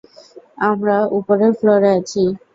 আমরা উপরের ফ্লোরে আছি।